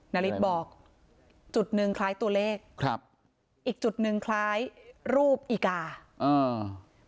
นาริสบอกจุดหนึ่งคล้ายตัวเลขครับอีกจุดหนึ่งคล้ายรูปอีกาอ่า